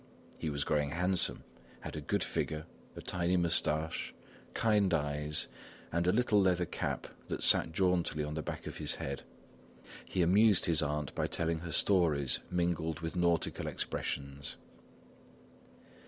He was growing handsome, had a good figure, a tiny moustache, kind eyes, and a little leather cap that sat jauntily on the back of his head. He amused his aunt by telling her stories mingled with nautical expressions.